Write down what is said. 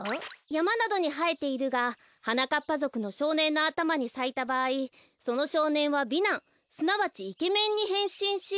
やまなどにはえているがはなかっぱぞくのしょうねんのあたまにさいたばあいそのしょうねんは美男すなわちイケメンにへんしんし。